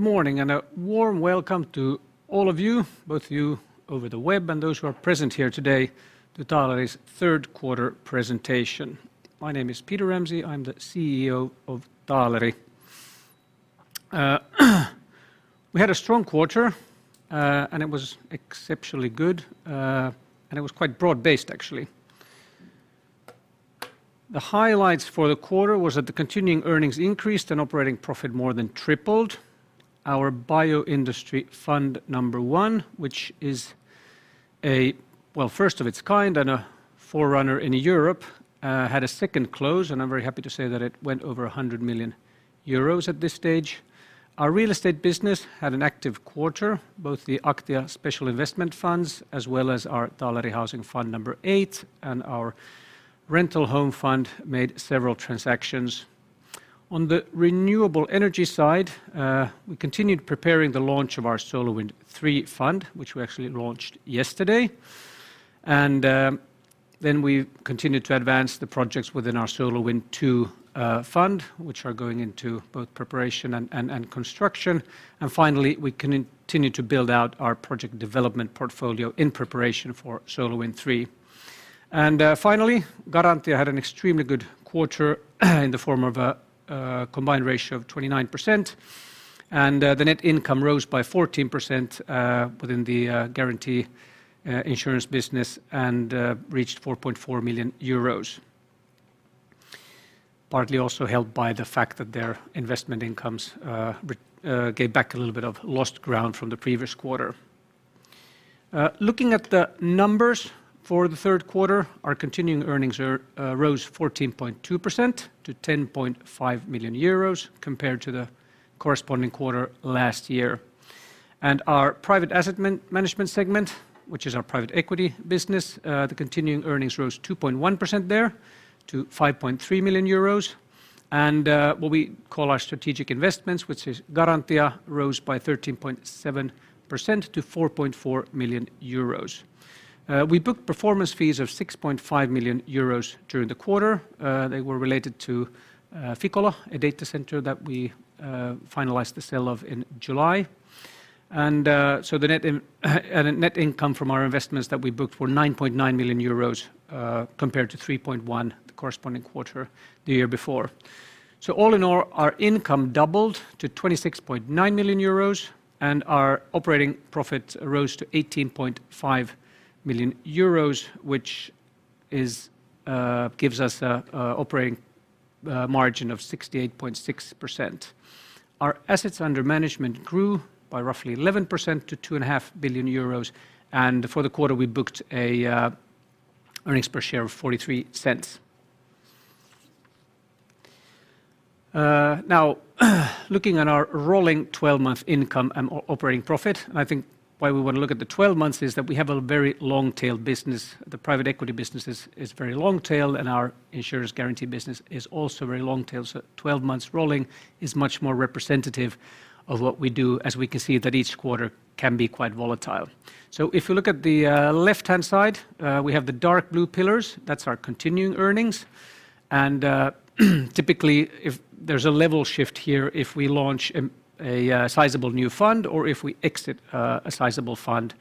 Good morning and a warm welcome to all of you, both you over the web and those who are present here today to Taaleri's third quarter presentation. My name is Peter Ramsay. I'm the CEO of Taaleri. We had a strong quarter, and it was exceptionally good, and it was quite broad-based actually. The highlights for the quarter was that the continuing earnings increased and operating profit more than tripled. Our Bioindustry fund number 1, which is, well, first of its kind and a forerunner in Europe, had a second close, and I'm very happy to say that it went over 100 million euros at this stage. Our real estate business had an active quarter, both the Aktia special investment funds as well as our Taaleri Housing Fund number 8 and our Rental Home Fund made several transactions. On the renewable energy side, we continued preparing the launch of our SolarWind III fund, which we actually launched yesterday. We continued to advance the projects within our SolarWind II fund, which are going into both preparation and construction. Finally, we continued to build out our project development portfolio in preparation for SolarWind III. Finally, Garantia had an extremely good quarter in the form of a combined ratio of 29%, and the net income rose by 14% within the Garantia insurance business and reached 4.4 million euros. Partly also helped by the fact that their investment incomes gave back a little bit of lost ground from the previous quarter. Looking at the numbers for the third quarter, our continuing earnings rose 14.2% to 10.5 million euros compared to the corresponding quarter last year. Our private asset management segment, which is our private equity business, the continuing earnings rose 2.1% there to 5.3 million euros. What we call our strategic investments, which is Garantia, rose by 13.7% to 4.4 million euros. We booked performance fees of 6.5 million euros during the quarter. They were related to Ficolo, a data center that we finalized the sale of in July. The net income from our investments that we booked were 9.9 million euros compared to 3.1 million the corresponding quarter the year before. All in all, our income doubled to 26.9 million euros, and our operating profit rose to 18.5 million euros, which gives us an operating margin of 68.6%. Our assets under management grew by roughly 11% to 2.5 billion euros, and for the quarter, we booked earnings per share of 0.43. Now, looking at our rolling 12-month income and operating profit, and I think why we want to look at the 12 months is that we have a very long-tailed business. The private equity business is very long tail, and our insurance guarantee business is also very long tail. 12 months rolling is much more representative of what we do as we can see that each quarter can be quite volatile. If you look at the left-hand side, we have the dark blue pillars, that's our continuing earnings. Typically, if there's a level shift here, if we launch a sizable new fund or if we exit a sizable fund.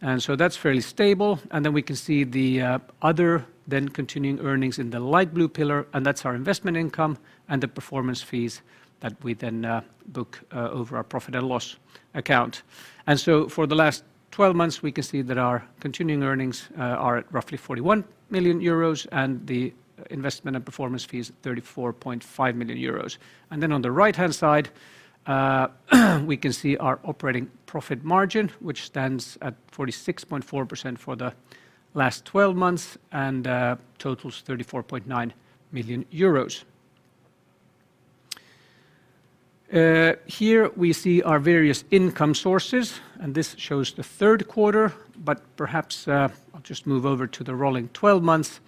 That's fairly stable. Then we can see the other than continuing earnings in the light blue pillar, and that's our investment income and the performance fees that we then book over our profit and loss account. For the last 12 months, we can see that our continuing earnings are at roughly 41 million euros and the investment and performance fees, 34.5 million euros. Then on the right-hand side, we can see our operating profit margin, which stands at 46.4% for the last twelve months and totals 34.9 million euros. Here we see our various income sources, and this shows the third quarter, but perhaps I'll just move over to the rolling twelve months.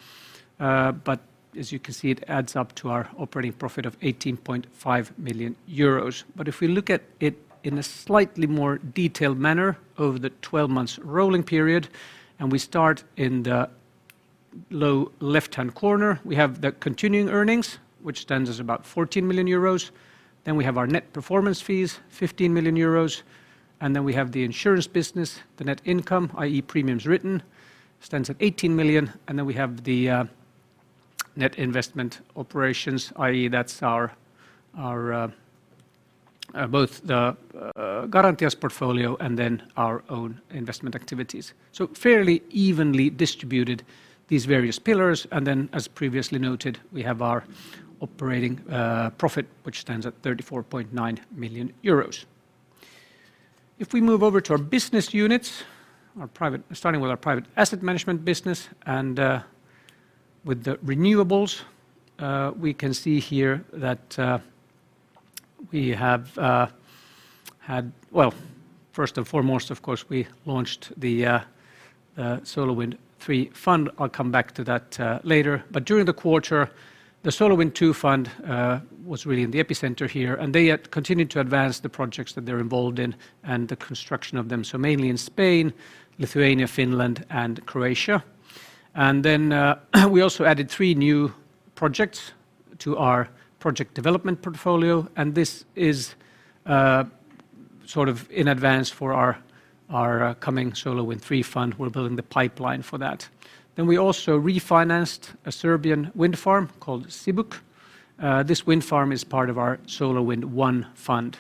As you can see, it adds up to our operating profit of 18.5 million euros. If we look at it in a slightly more detailed manner over the twelve months rolling period, and we start in the lower left-hand corner, we have the continuing earnings, which stands as about 14 million euros, then we have our net performance fees, 15 million euros, and then we have the insurance business, the net income, i.e. Premiums written stands at 18 million, and then we have the net investment operations, i.e. that's our both the Garantia's portfolio and then our own investment activities. Fairly evenly distributed these various pillars. As previously noted, we have our operating profit, which stands at 34.9 million euros. If we move over to our business units, our private asset management business and with the renewables, we can see here that we have had. Well, first and foremost, of course, we launched the SolarWind III fund. I'll come back to that later. During the quarter, the SolarWind II fund was really in the epicenter here, and they had continued to advance the projects that they're involved in and the construction of them. Mainly in Spain, Lithuania, Finland, and Croatia. We also added three new projects to our project development portfolio, and this is sort of in advance for our coming SolarWind III fund. We're building the pipeline for that. We also refinanced a Serbian wind farm called Čibuk. This wind farm is part of our SolarWind I fund.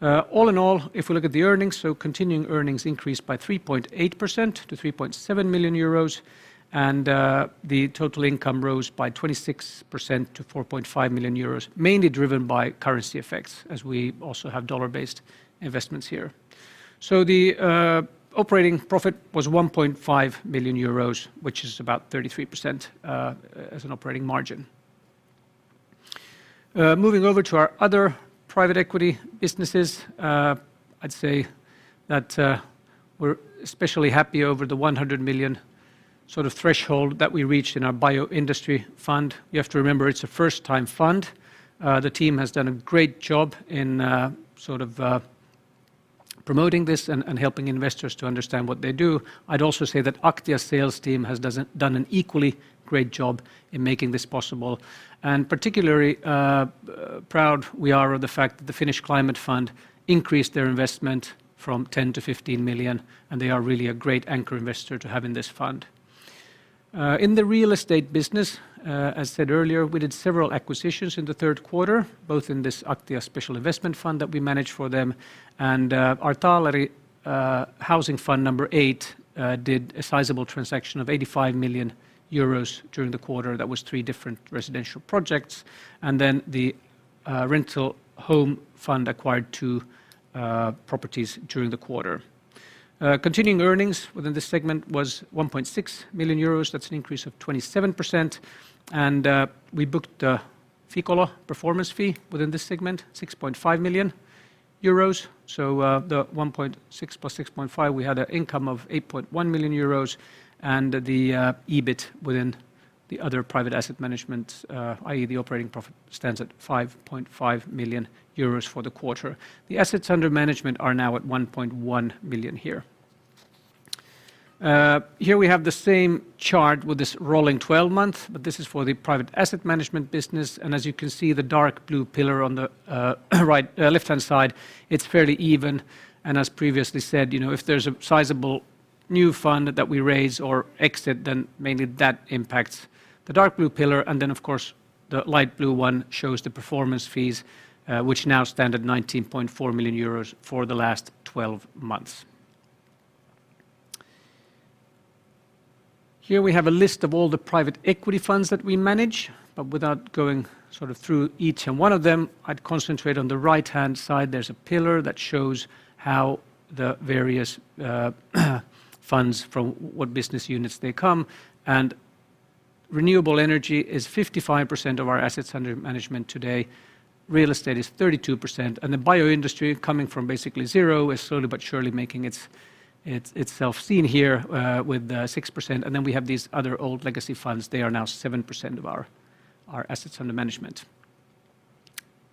All in all, if we look at the earnings, continuing earnings increased by 3.8% to 3.7 million euros, and the total income rose by 26% to 4.5 million euros, mainly driven by currency effects as we also have dollar-based investments here. The operating profit was 1.5 million euros, which is about 33% as an operating margin. Moving over to our other private equity businesses, I'd say that we're especially happy over the 100 million sort of threshold that we reached in our bio-industry fund. You have to remember, it's a first-time fund. The team has done a great job in sort of promoting this and helping investors to understand what they do. I'd also say that Aktia sales team has done an equally great job in making this possible. Particularly proud we are of the fact that the Finnish Climate Fund increased their investment from 10 million to 15 million, and they are really a great anchor investor to have in this fund. In the real estate business, as said earlier, we did several acquisitions in the third quarter, both in this Aktia special investment fund that we manage for them and our Taaleri Housing Fund VIII did a sizable transaction of 85 million euros during the quarter. That was three different residential projects. The Taaleri Rental Home Fund acquired two properties during the quarter. Continuing earnings within this segment was 1.6 million euros. That's an increase of 27%. We booked Ficolo performance fee within this segment, 6.5 million euros. The 1.6 plus 6.5, we had an income of 8.1 million euros. The EBIT within the other private asset management, i.e. the operating profit stands at 5.5 million euros for the quarter. The assets under management are now at 1.1 million here. Here we have the same chart with this rolling 12-month, but this is for the private asset management business. As you can see, the dark blue pillar on the left-hand side, it's fairly even. As previously said, you know, if there's a sizable new fund that we raise or exit, then mainly that impacts the dark blue pillar. Then, of course, the light blue one shows the performance fees, which now stand at 19.4 million euros for the last 12 months. Here we have a list of all the private equity funds that we manage. Without going sort of through each and one of them, I'd concentrate on the right-hand side. There's a pillar that shows how the various funds from what business units they come. Renewable energy is 55% of our assets under management today. Real estate is 32%. The bio industry coming from basically zero is slowly but surely making itself seen here with 6%. Then we have these other old legacy funds. They are now 7% of our assets under management.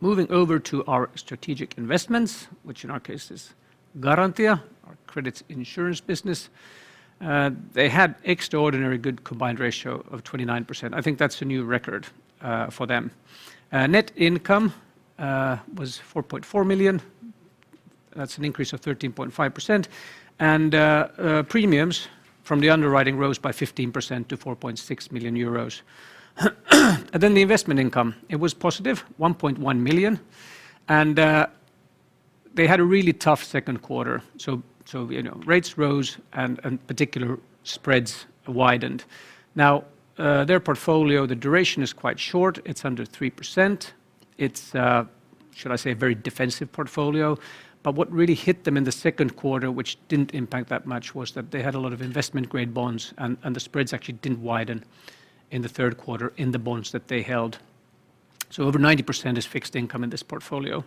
Moving over to our strategic investments, which in our case is Garantia, our credit insurance business. They had extraordinarily good combined ratio of 29%. I think that's a new record for them. Net income was 4.4 million. That's an increase of 13.5%. Premiums from the underwriting rose by 15% to 4.6 million euros. The investment income, it was positive, 1.1 million. They had a really tough second quarter. You know, rates rose and in particular spreads widened. Now, their portfolio, the duration is quite short. It's under 3%. It's, should I say, a very defensive portfolio. What really hit them in the second quarter, which didn't impact that much, was that they had a lot of investment-grade bonds and the spreads actually didn't widen in the third quarter in the bonds that they held. Over 90% is fixed income in this portfolio.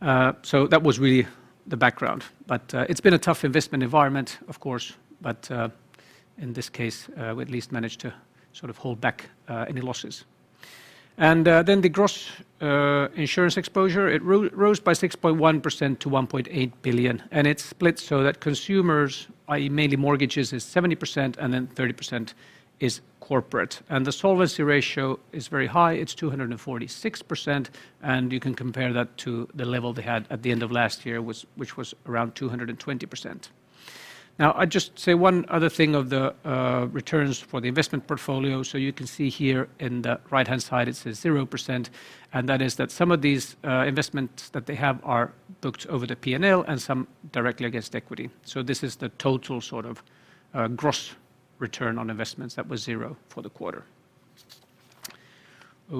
That was really the background. It's been a tough investment environment, of course, but in this case, we at least managed to sort of hold back any losses. The gross insurance exposure rose by 6.1% to 1.8 billion. It's split so that consumers, i.e. mainly mortgages, is 70% and then 30% is corporate. The solvency ratio is very high. It's 246%, and you can compare that to the level they had at the end of last year, which was around 220%. Now, I'd just say one other thing of the returns for the investment portfolio. You can see here in the right-hand side, it says 0%, and that is that some of these investments that they have are booked over the P&L and some directly against equity. This is the total sort of gross return on investments that was zero for the quarter.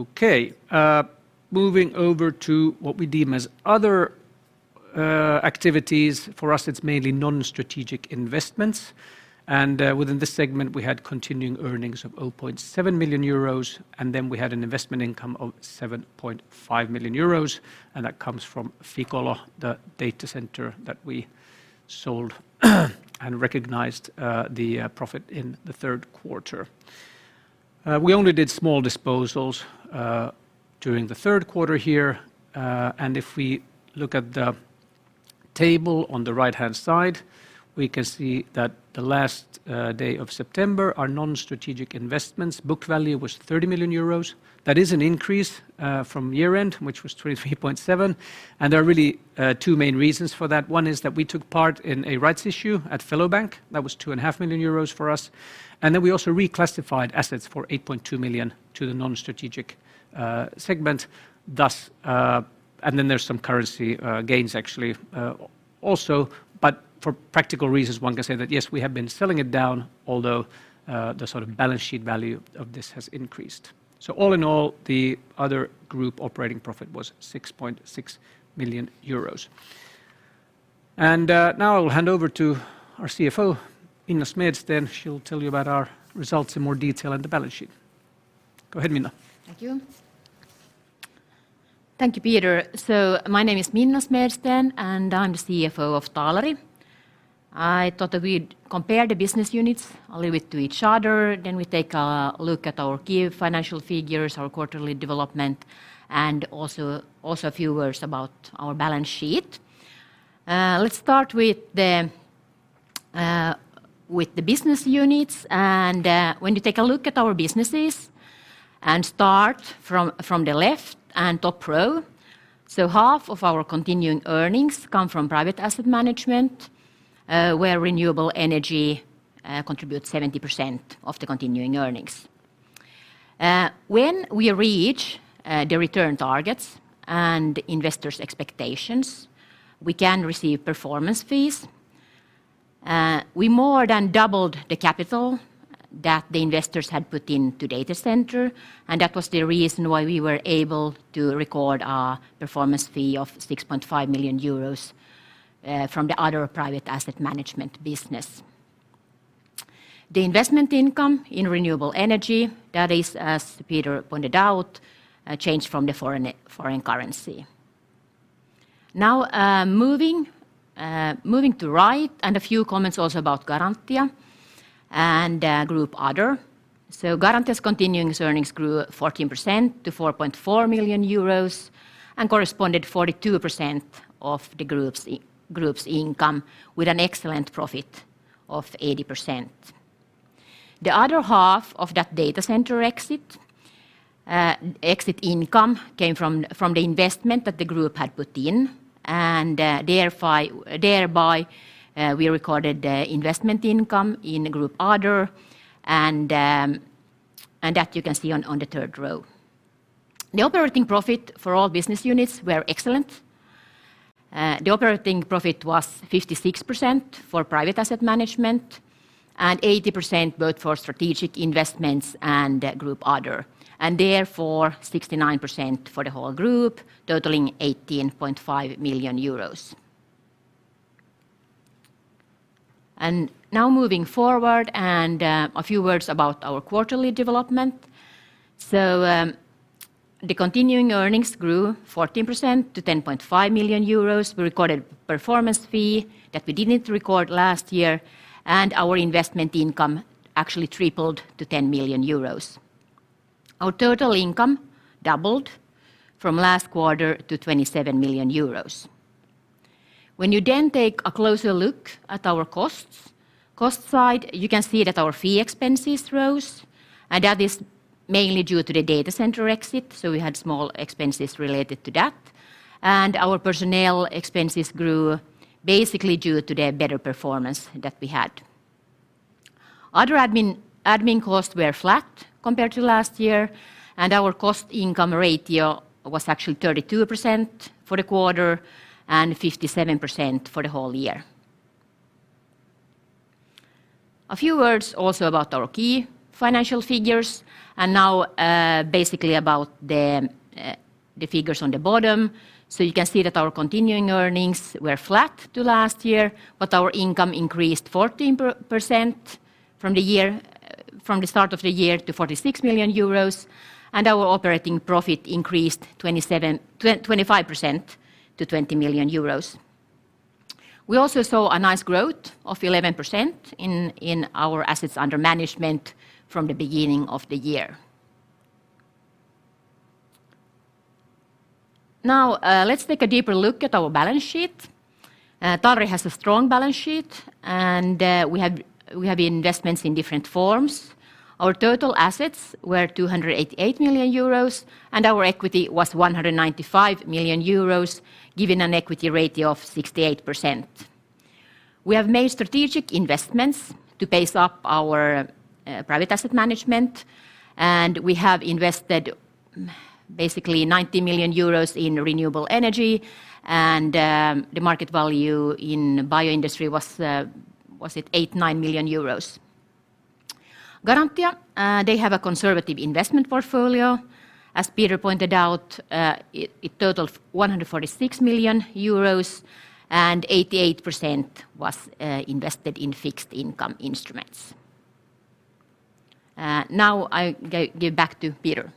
Okay. Moving over to what we deem as other activities. For us, it's mainly non-strategic investments. Within this segment, we had continuing earnings of 0.7 million euros, and then we had an investment income of 7.5 million euros, and that comes from Ficolo, the data center that we sold and recognized the profit in the third quarter. We only did small disposals during the third quarter here. If we look at the table on the right-hand side, we can see that the last day of September, our non-strategic investments book value was 30 million euros. That is an increase from year-end, which was 23.7 million, and there are really two main reasons for that. One is that we took part in a rights issue at Fellow Bank. That was 2.5 million euros for us. We also reclassified assets for 8.2 million to the non-strategic segment. There's some currency gains actually also. For practical reasons, one can say that, yes, we have been selling it down, although the sort of balance sheet value of this has increased. All in all, the other group operating profit was 6.6 million euros. Now I'll hand over to our CFO, Minna Smedsten. She'll tell you about our results in more detail and the balance sheet. Go ahead, Minna. Thank you. Thank you, Peter. My name is Minna Smedsten, and I'm the CFO of Taaleri. I thought that we'd compare the business units a little bit to each other, then we take a look at our key financial figures, our quarterly development, and also a few words about our balance sheet. Let's start with the business units. When you take a look at our businesses and start from the left and top row, half of our continuing earnings come from private asset management, where renewable energy contributes 70% of the continuing earnings. When we reach the return targets and investors' expectations, we can receive performance fees. We more than doubled the capital that the investors had put into data center, and that was the reason why we were able to record our performance fee of 6.5 million euros from the other private asset management business. The investment income in renewable energy, that is, as Peter pointed out, a change from the foreign currency. Now, moving to right and a few comments also about Garantia and group other. Garantia's continuing earnings grew 14% to 4.4 million euros and corresponded 42% of the group's income with an excellent profit of 80%. The other half of that data center exit income came from the investment that the group had put in, and thereby we recorded the investment income in group other, and that you can see on the third row. The operating profit for all business units were excellent. The operating profit was 56% for private asset management and 80% both for strategic investments and group other, and therefore 69% for the whole group, totaling 18.5 million euros. Now moving forward, a few words about our quarterly development. The continuing earnings grew 14% to 10.5 million euros. We recorded performance fee that we didn't record last year, and our investment income actually tripled to 10 million euros. Our total income doubled from last quarter to 27 million euros. When you then take a closer look at our costs, cost side, you can see that our fee expenses rose, and that is mainly due to the data center exit, so we had small expenses related to that. Our personnel expenses grew basically due to the better performance that we had. Other admin costs were flat compared to last year, and our cost-income ratio was actually 32% for the quarter and 57% for the whole year. A few words also about our key financial figures and now, basically about the figures on the bottom. You can see that our continuing earnings were flat to last year, but our income increased 14% from the start of the year to 46 million euros, and our operating profit increased 25% to 20 million euros. We also saw a nice growth of 11% in our assets under management from the beginning of the year. Now, let's take a deeper look at our balance sheet. Taaleri has a strong balance sheet, and we have investments in different forms. Our total assets were 288 million euros, and our equity was 195 million euros, giving an equity ratio of 68%. We have made strategic investments to beef up our private asset management, and we have invested basically 90 million euros in renewable energy, and the market value in bioindustry was 89 million euros. Garantia, they have a conservative investment portfolio. As Peter pointed out, it totaled 146 million euros, and 88% was invested in fixed income instruments. Now I give back to Peter.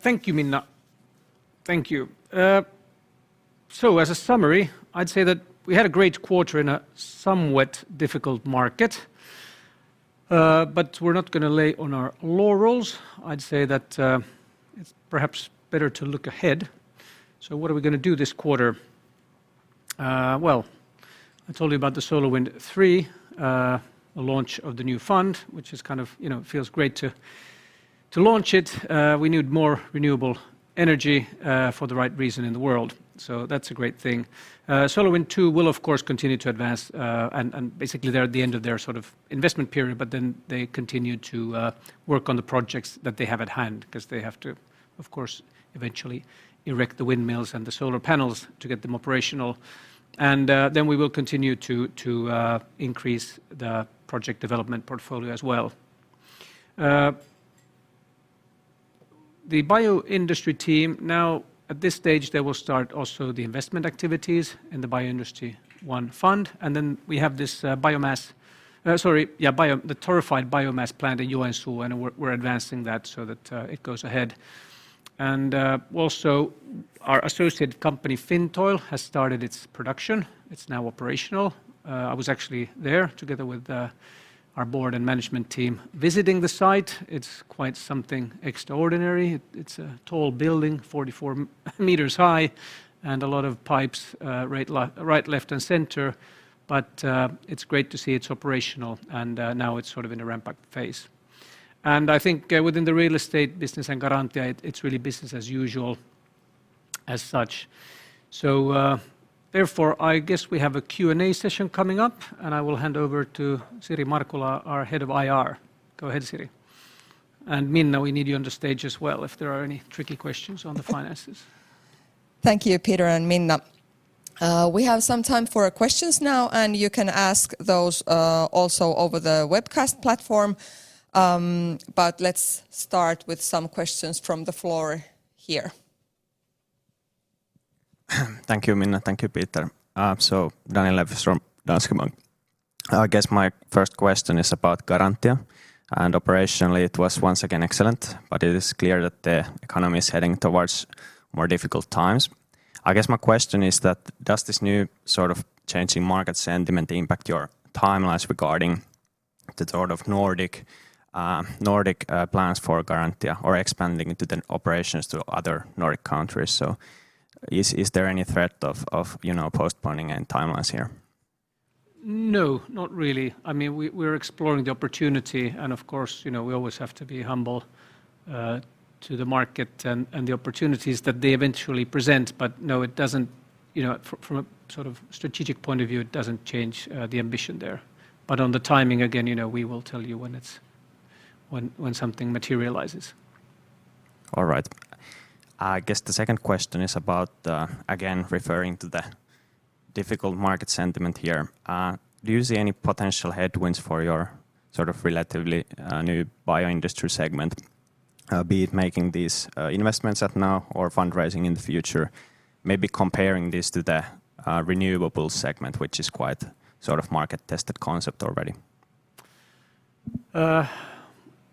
Thank you, Minna. Thank you. As a summary, I'd say that we had a great quarter in a somewhat difficult market. We're not gonna lay on our laurels. I'd say that it's perhaps better to look ahead. What are we gonna do this quarter? I told you about the SolarWind III, the launch of the new fund, which is kind of, you know, it feels great to launch it. We need more renewable energy for the right reason in the world. That's a great thing. SolarWind II will of course continue to advance, and basically they're at the end of their sort of investment period, but then they continue to work on the projects that they have at hand because they have to, of course, eventually erect the windmills and the solar panels to get them operational. Then we will continue to increase the project development portfolio as well. The bioindustry team now at this stage, they will start also the investment activities in the Bioindustry I fund, and then we have this, the torrefied biomass plant in Joensuu, and we're advancing that so that it goes ahead. Also our associated company, Fintoil, has started its production. It's now operational. I was actually there together with our board and management team visiting the site. It's quite something extraordinary. It's a tall building, 44 meters high, and a lot of pipes, right, left, and center. It's great to see it's operational, and now it's sort of in a ramp-up phase. I think within the real estate business and Garantia, it's really business as usual as such. Therefore, I guess we have a Q&A session coming up, and I will hand over to Siri Markula, our Head of IR. Go ahead, Siri. Minna, we need you on the stage as well if there are any tricky questions on the finances. Thank you, Peter and Minna. We have some time for questions now, and you can ask those also over the webcast platform. Let's start with some questions from the floor here. Thank you, Minna. Thank you, Peter. Daniel Lepistö from Danske Bank. I guess my first question is about Garantia, and operationally it was once again excellent, but it is clear that the economy is heading towards more difficult times. I guess my question is that does this new sort of changing market sentiment impact your timelines regarding the sort of Nordic plans for Garantia or expanding into the operations to other Nordic countries? Is there any threat of, you know, postponing any timelines here? No, not really. I mean, we're exploring the opportunity and, of course, you know, we always have to be humble to the market and the opportunities that they eventually present. No, it doesn't, you know, from a sort of strategic point of view, it doesn't change the ambition there. On the timing, again, you know, we will tell you when something materializes. All right. I guess the second question is about, again, referring to the difficult market sentiment here. Do you see any potential headwinds for your sort of relatively new bio-industry segment, be it making these investments now or fundraising in the future? Maybe comparing this to the renewable segment, which is quite sort of market-tested concept already.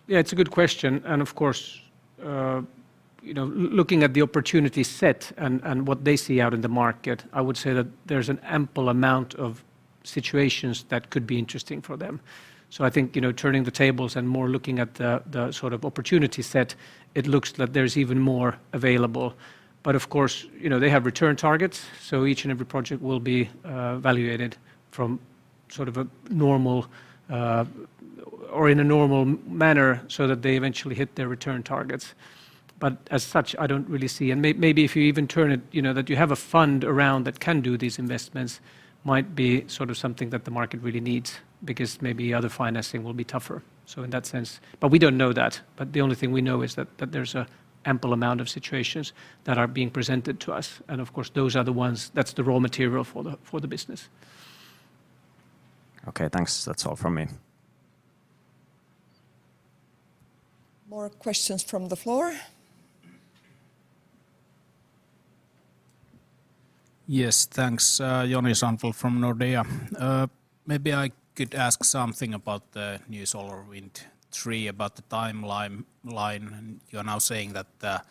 Yeah, it's a good question. Of course, you know, looking at the opportunity set and what they see out in the market, I would say that there's an ample amount of situations that could be interesting for them. I think, you know, turning the tables and more looking at the sort of opportunity set, it looks that there's even more available. Of course, you know, they have return targets, so each and every project will be evaluated in a normal manner so that they eventually hit their return targets. As such, I don't really see. Maybe if you even turn it, you know, that you have a fund around that can do these investments might be sort of something that the market really needs because maybe other financing will be tougher. In that sense we don't know that. The only thing we know is that there's a ample amount of situations that are being presented to us, and of course, those are the ones, that's the raw material for the business. Okay, thanks. That's all from me. More questions from the floor? Yes, thanks. Joni Sandvall from Nordea. Maybe I could ask something about the new SolarWind III, about the timeline. You're now saying that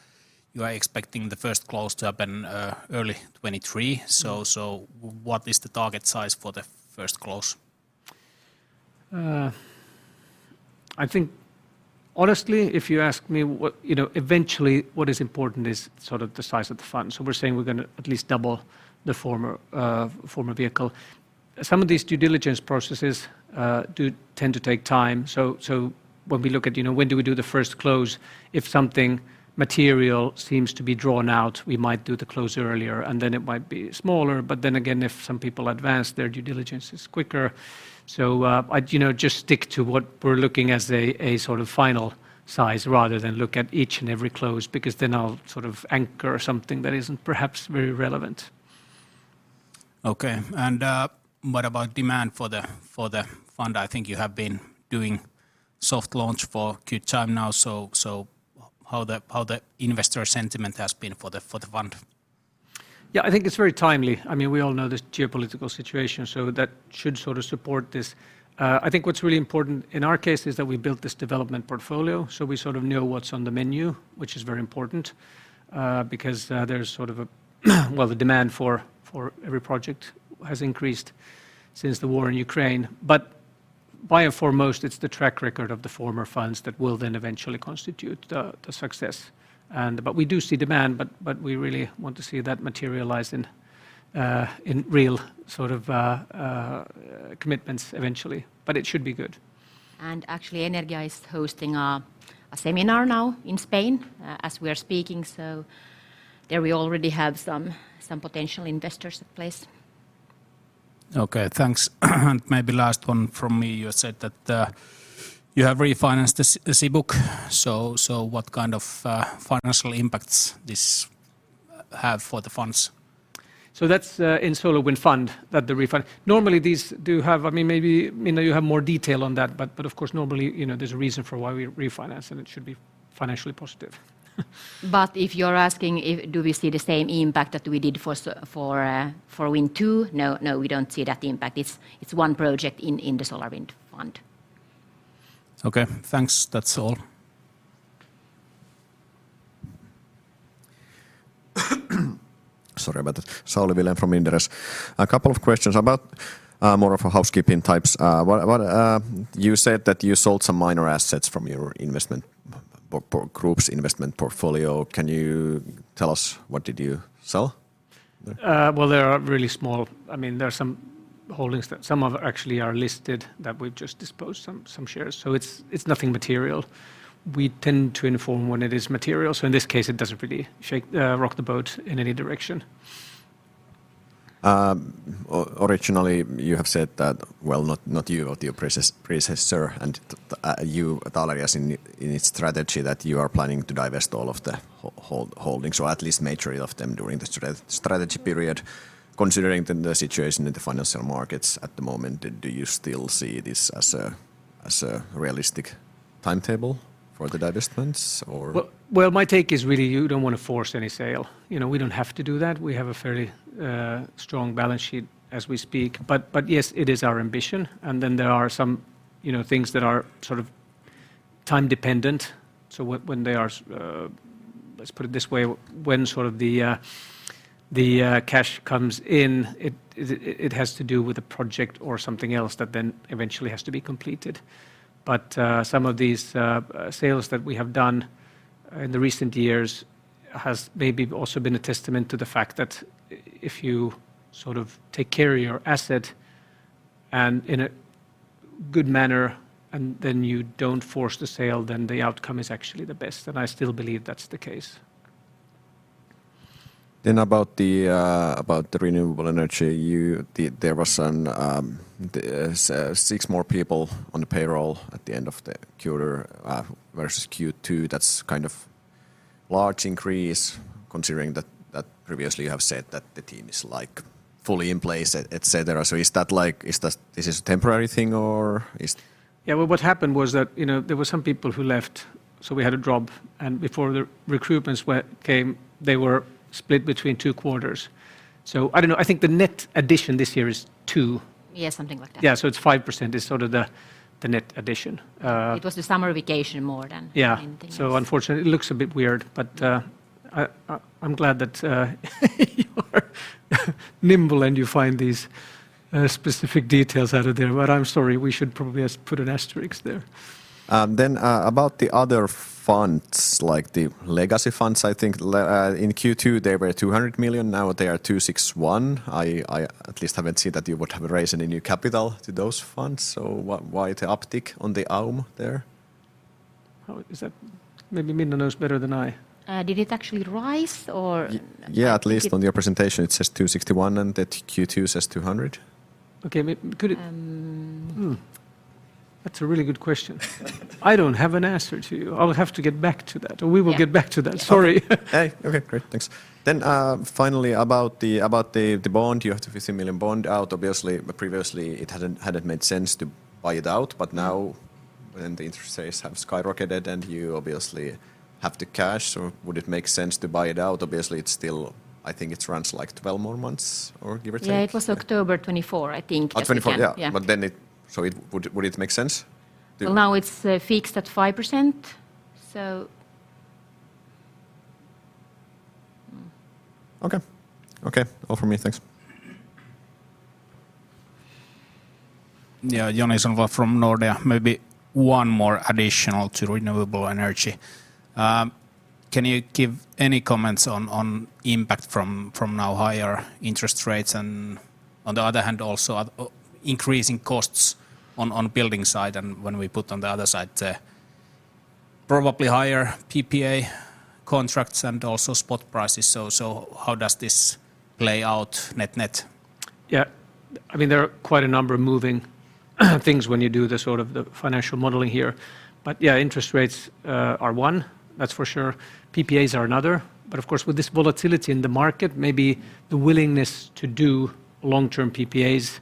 you are expecting the first close to happen early 2023. So what is the target size for the first close? I think honestly, if you ask me what, you know, eventually what is important is sort of the size of the fund. We're saying we're gonna at least double the former vehicle. Some of these due diligence processes do tend to take time. When we look at, you know, when do we do the first close, if something material seems to be drawn out, we might do the close earlier, and then it might be smaller. Then again, if some people advance, their due diligence is quicker. I'd, you know, just stick to what we're looking as a sort of final size rather than look at each and every close because then I'll sort of anchor something that isn't perhaps very relevant. Okay. What about demand for the fund? I think you have been doing soft launch for good time now. How the investor sentiment has been for the fund? Yeah, I think it's very timely. I mean, we all know this geopolitical situation, so that should sort of support this. I think what's really important in our case is that we built this development portfolio, so we sort of know what's on the menu, which is very important, because there's sort of the demand for every project has increased since the war in Ukraine. First and foremost, it's the track record of the former funds that will then eventually constitute the success. We do see demand, but we really want to see that materialize in real sort of commitments eventually. It should be good. Actually, Energia is hosting a seminar now in Spain, as we are speaking, so there we already have some potential investors in place. Okay, thanks. Maybe last one from me. You have said that you have refinanced the Čibuk. What kind of financial impacts this have for the funds? That's in SolarWind fund. Normally these do have. I mean, maybe Minna, you have more detail on that. Of course, normally, you know, there's a reason for why we refinance, and it should be financially positive. If you're asking if do we see the same impact that we did for SolarWind II, no, we don't see that impact. It's one project in the SolarWind fund. Okay. Thanks. That's all. Sorry about that. Sauli Vilén from Inderes. A couple of questions about more of a housekeeping types. You said that you sold some minor assets from your investment group's investment portfolio. Can you tell us what did you sell? Well, they are really small. I mean, there are some holdings that actually are listed that we've just disposed some shares. It's nothing material. We tend to inform when it is material, so in this case it doesn't really rock the boat in any direction. Originally you have said that well, not you, but your predecessors, and you, Taaleri, has in its strategy that you are planning to divest all of the holdings or at least majority of them during the strategy period. Considering the situation in the financial markets at the moment, do you still see this as a realistic timetable for the divestments or? Well, my take is really you don't wanna force any sale. You know, we don't have to do that. We have a fairly strong balance sheet as we speak. Yes, it is our ambition, and then there are some, you know, things that are sort of time-dependent. Let's put it this way. When sort of the cash comes in, it has to do with a project or something else that then eventually has to be completed. Some of these sales that we have done in the recent years has maybe also been a testament to the fact that if you sort of take care of your asset, and in a good manner, and then you don't force the sale, then the outcome is actually the best. I still believe that's the case. About the renewable energy. There was six more people on the payroll at the end of the quarter versus Q2. That's kind of large increase considering that previously you have said that the team is, like, fully in place, et cetera. Is that like a temporary thing or is- Yeah. Well, what happened was that, you know, there were some people who left, so we had a drop. Before the recruitments came, they were split between two quarters. I don't know. I think the net addition this year is two. Yeah, something like that. Yeah, it's 5% is sort of the net addition. It was the summer vacation more than anything else. Unfortunately it looks a bit weird. I'm glad that you are nimble and you find these specific details out of there. I'm sorry, we should probably put an asterisk there. About the other funds, like the legacy funds. I think in Q2 they were 200 million. Now they are 261 million. I at least haven't seen that you would have raised any new capital to those funds. Why the uptick on the AUM there? Maybe Minna knows better than I. Did it actually rise or Yeah. At least on your presentation it says 261, and the Q2 says 200. Okay. Um. That's a really good question. I don't have an answer to you. I'll have to get back to that. Or we will get back to that. Yeah. Sorry. Hey, okay. Great. Thanks. Finally about the bond. You have the 50 million bond out. Obviously, previously it hadn't made sense to buy it out. Now, when the interest rates have skyrocketed and you obviously have the cash, would it make sense to buy it out? Obviously, it's still. I think it runs like 12 more months, give or take. Yeah, it was October 24, I think, at the end. Oh, 2024. Yeah. Yeah. Would it make sense to? Well, now it's fixed at 5%, so. Okay. Okay. All from me. Thanks. Yeah, Joni Sandvall from Nordea. Maybe one more additional to renewable energy. Can you give any comments on impact from now higher interest rates and on the other hand also increasing costs on building side, and when we put on the other side the probably higher PPA contracts and also spot prices. How does this play out net-net? Yeah. I mean, there are quite a number of moving things when you do the sort of financial modeling here. Yeah, interest rates are one. That's for sure. PPAs are another. Of course with this volatility in the market, maybe the willingness to do long-term PPAs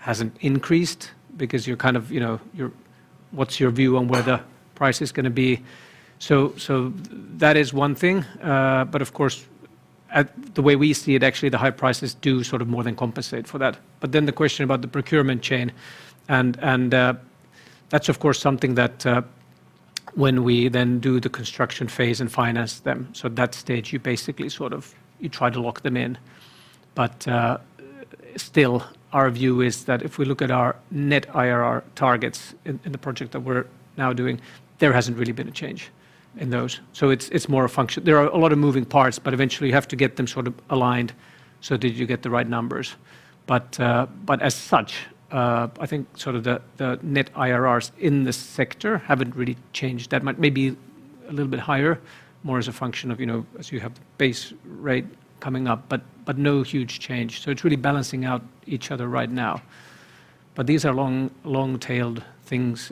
hasn't increased because you're kind of, you know, what's your view on where the price is gonna be? That is one thing. Of course, the way we see it, actually the high prices do sort of more than compensate for that. Then the question about the procurement chain, that's of course something that, when we then do the construction phase and finance them. At that stage, you basically sort of, you try to lock them in. Still our view is that if we look at our net IRR targets in the project that we're now doing, there hasn't really been a change in those. It's more a function. There are a lot of moving parts, but eventually you have to get them sort of aligned, so that you get the right numbers. As such, I think sort of the net IRRs in this sector haven't really changed that much. Maybe a little bit higher, more as a function of, you know, as you have base rate coming up, but no huge change. It's really balancing out each other right now. These are long, long-tailed things.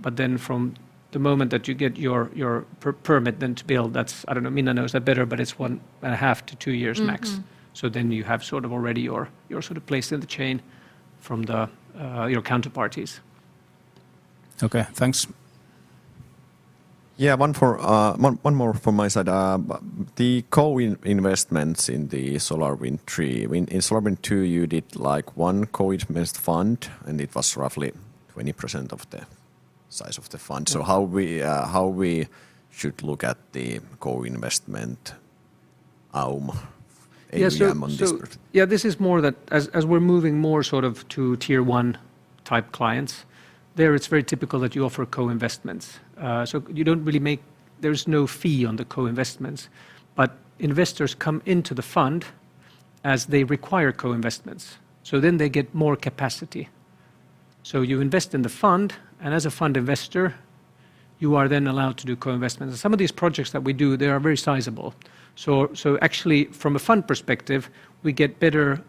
Then from the moment that you get your permit then to build, that's. I don't know. Minna knows that better, but it's 1.5-2 years max. Mm-hmm. You have sort of already your sort of place in the chain from your counterparties. Okay, thanks. Yeah. One more from my side. The co-investments in the SolarWind III. In SolarWind II, you did, like, one co-investment fund, and it was roughly 20% of the size of the fund. Yeah. How we should look at the co-investment AUM on this part? Yeah, this is more that as we're moving more sort of to tier one type clients. There, it's very typical that you offer co-investments. There's no fee on the co-investments. Investors come into the fund as they require co-investments, so then they get more capacity. You invest in the fund, and as a fund investor, you are then allowed to do co-investments. Some of these projects that we do, they are very sizable. Actually, from a fund perspective, we get better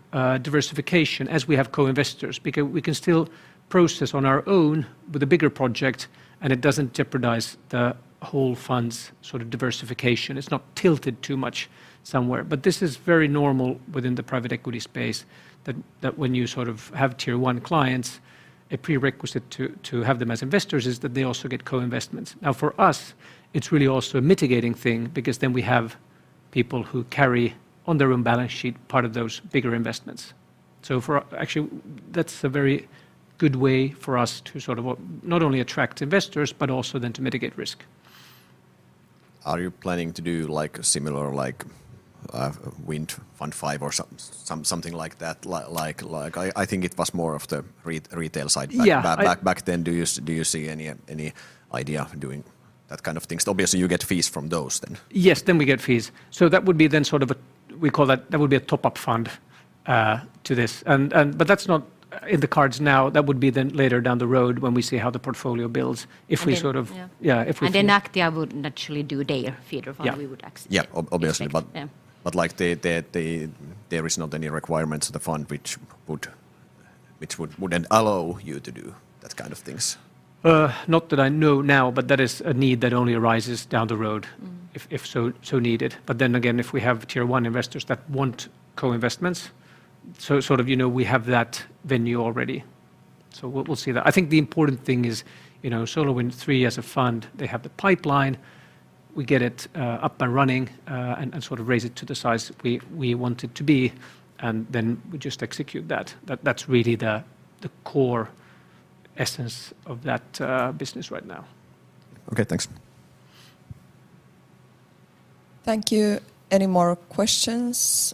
diversification as we have co-investors because we can still process on our own with a bigger project, and it doesn't jeopardize the whole fund's sort of diversification. It's not tilted too much somewhere. This is very normal within the private equity space that when you sort of have tier one clients, a prerequisite to have them as investors is that they also get co-investments. Now, for us, it's really also a mitigating thing because then we have people who carry on their own balance sheet part of those bigger investments. Actually that's a very good way for us to sort of not only attract investors, but also then to mitigate risk. Are you planning to do, like, similar, like, Wind Fund V or something like that? Like, like, I think it was more of the retail side back- Yeah. back then. Do you see any idea of doing that kind of things? Obviously you get fees from those then. Yes, we get fees. That would be sort of a top-up fund to this. But that's not in the cards now. That would be later down the road when we see how the portfolio builds. Okay. Yeah. Yeah, if we Aktia would naturally do their feeder fund. Yeah we would access. Yeah, obviously. Yeah. Like, there is not any requirements of the fund which would then allow you to do that kind of things? Not that I know now, but that is a need that only arises down the road. Mm If so needed. Then again, if we have tier one investors that want co-investments, sort of, you know, we have that venue already. We'll see that. I think the important thing is, you know, SolarWind III as a fund, they have the pipeline. We get it up and running and sort of raise it to the size we want it to be, and then we just execute that. That's really the core essence of that business right now. Okay, thanks. Thank you. Any more questions?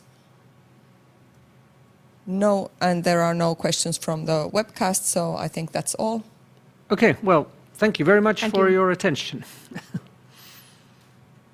No. There are no questions from the webcast, so I think that's all. Okay. Well, thank you very much. Thank you. for your attention.